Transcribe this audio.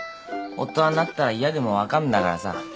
大人になったら嫌でも分かんだからさ。